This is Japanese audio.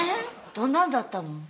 どんなんだったの？